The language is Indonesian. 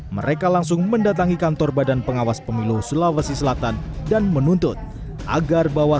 mereka langsung mendatangi kantor badan pengawas pemilu sulawesi selatan dan menuntut agar bahwa